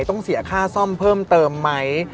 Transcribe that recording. ต้องเสียค่าซ่อมเพิ่มเติมไหม